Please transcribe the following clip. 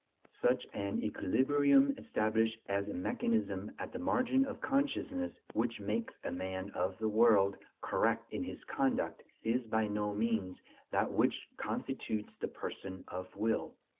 Such an equilibrium established as a mechanism at the margin of consciousness, which makes a man of the world "correct" in his conduct, is by no means that which constitutes the "person of will."